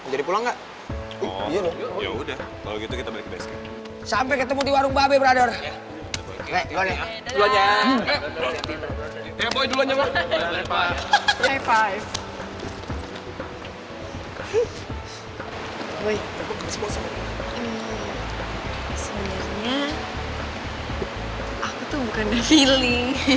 yang ketawanya apa lagi